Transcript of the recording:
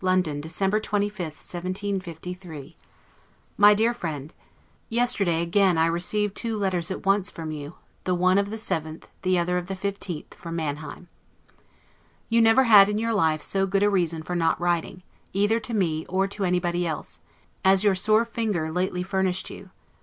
Adieu. LETTER CXCII LONDON, December 25, 1753 MY DEAR FRIEND: Yesterday again I received two letters at once from you, the one of the 7th, the other of the 15th, from Manheim. You never had in your life so good a reason for not writing, either to me or to anybody else, as your sore finger lately furnished you.